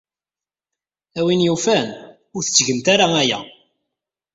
A win yufan, ur tettgemt ara aya.